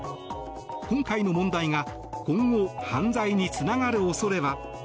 今回の問題が今後、犯罪につながる恐れは？